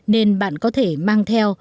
nên bạn có thể mang theo